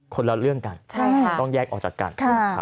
คนละเรื่องกันต้องแยกออกจากกัน